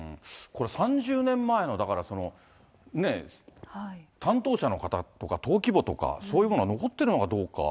３０年前の、だから担当者の方とか、登記簿とか、そういうものが残ってるのかどうか。